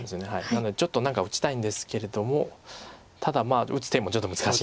なのでちょっと何か打ちたいんですけれどもただまあ打つ手もちょっと難しいので。